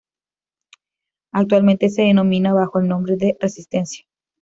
Actualmente se denominan bajo el nombre de "Resistencia".